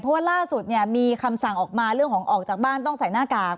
เพราะว่าล่าสุดเนี่ยมีคำสั่งออกมาเรื่องของออกจากบ้านต้องใส่หน้ากาก